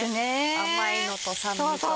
甘いのと酸味と。